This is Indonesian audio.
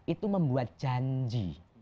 itu membuat janji